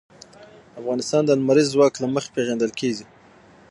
افغانستان د لمریز ځواک له مخې پېژندل کېږي.